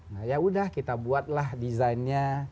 nah ya udah kita buatlah desainnya